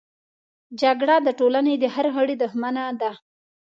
جګړه د ټولنې د هر غړي دښمنه ده